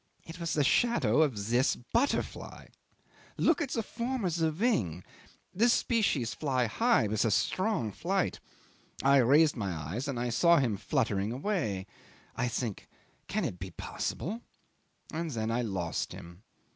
It was the shadow of this butterfly. Look at the form of the wing. This species fly high with a strong flight. I raised my eyes and I saw him fluttering away. I think Can it be possible? And then I lost him.